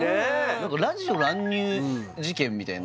何かラジオ乱入事件みたいな